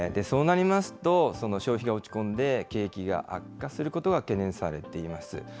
そうなりますと、消費が落ち込んで、景気が悪化することが懸念されています。